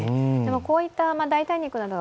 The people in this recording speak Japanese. こういった代替肉などが